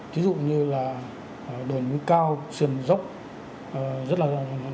ví dụ như là đồi núi cao sườn dốc rất là